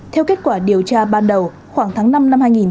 theo kết quả điều tra ban đầu khoảng tháng năm năm hai nghìn hai mươi một